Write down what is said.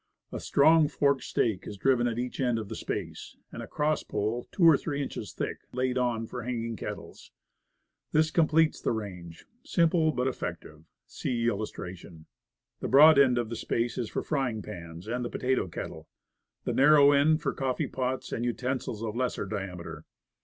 A strong forked stake is driven at each end of the space, and a cross pole, two or three inches thick, laid on, for hanging kettles. This com pletes the range; simple, but effective. (See illus tration.) The broad end of the space is for frying pans, and the potato kettle. The narrow end, for coffee pots and utensils of lesser diameter.